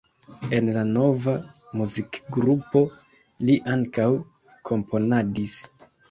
En la nova muzikgrupo li ankaŭ komponadis.